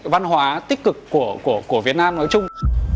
văn hóa tích cực của việt nam nói chung